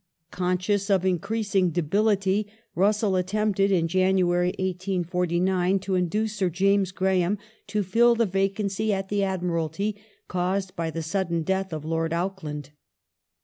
Conscious of increasing debility, Russell attempted in January, 1849, to induce Sir James Graham to fill the vacancy at the Admiralty caused by the sudden death of Lord Auckland.